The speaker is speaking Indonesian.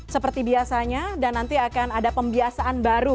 seperti biasanya dan nanti akan ada pembiasaan baru